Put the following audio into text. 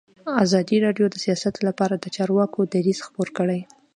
ازادي راډیو د سیاست لپاره د چارواکو دریځ خپور کړی.